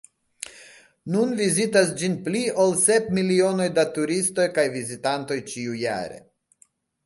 Nun vizitas ĝin pli ol sep milionoj da turistoj kaj vizitantoj ĉiujare.